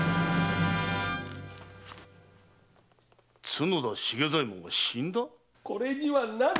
角田茂左衛門が死んだ？